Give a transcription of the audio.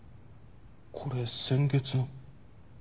これ先月の。